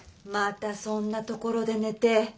またそんなところで寝て。